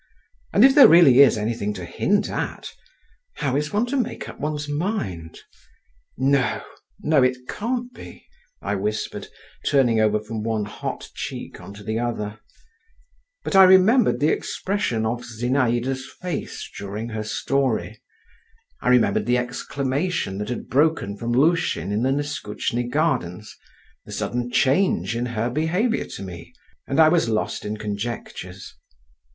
And if there really is anything to hint at … how is one to make up one's mind? No, no, it can't be," I whispered, turning over from one hot cheek on to the other…. But I remembered the expression of Zinaïda's face during her story…. I remembered the exclamation that had broken from Lushin in the Neskutchny gardens, the sudden change in her behaviour to me, and I was lost in conjectures.